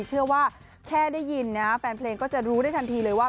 เชื่อว่าแค่ได้ยินนะแฟนเพลงก็จะรู้ได้ทันทีเลยว่า